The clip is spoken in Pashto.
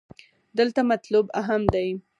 دلته مطلوب اهم دې.